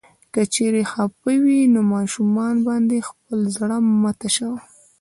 که چيرې خفه وې نو ماشومانو باندې خپل زړه مه تشوه.